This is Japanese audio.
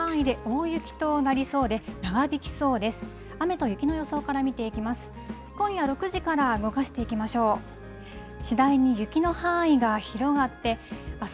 雨と雪の予想から見ていきます。